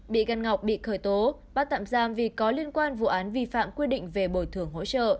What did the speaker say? bị văn ngọc bị khởi tố bắt tạm giam vì có liên quan vụ án vi phạm quy định về bồi thường hỗ trợ